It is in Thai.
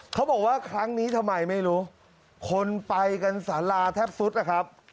เขาบอกว่าครั้งนี้ทำไมไม่รู้คนไปกันสาราแทบสุดนะครับ